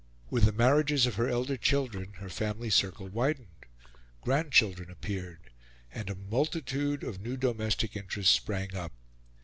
With the marriages of her elder children her family circle widened; grandchildren appeared; and a multitude of new domestic interests sprang up.